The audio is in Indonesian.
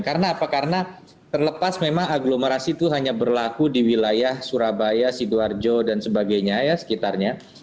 karena apa karena terlepas memang aglomerasi itu hanya berlaku di wilayah surabaya sidoarjo dan sebagainya ya sekitarnya